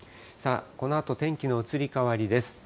このあと、天気の移り変わりです。